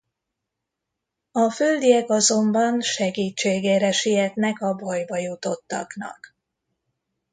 A földiek azonban segítségére sietnek a bajba jutottaknak.